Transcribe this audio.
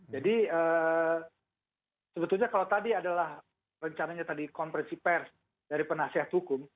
sebetulnya kalau tadi adalah rencananya tadi konferensi pers dari penasihat hukum